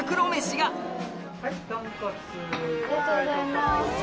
ありがとうございます。